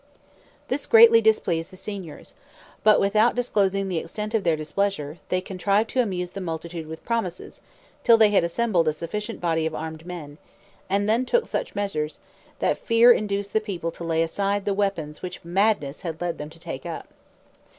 This greatly displeased the signors; but without disclosing the extent of their displeasure, they contrived to amuse the multitude with promises, till they had assembled a sufficient body of armed men, and then took such measures, that fear induced the people to lay aside the weapons which madness had led them to take up.